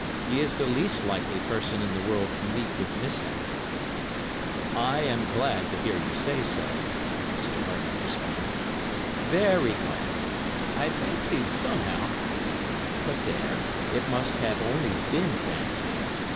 He is the least likely person in the world to meet with mishap.' "'I am glad to hear you say so,' Mr. Hartney responded. 'Very glad. I fancied somehow—but there, it must have only been fancy.